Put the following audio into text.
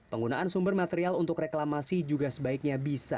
penggunaan sumber material untuk reklamasi juga sebaiknya bisa